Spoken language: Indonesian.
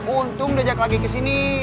untung diajak lagi ke sini